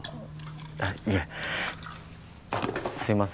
あっいえすいません。